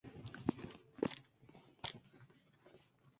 Desde entonces interpretó algunas obras en su instituto, Marlboro High.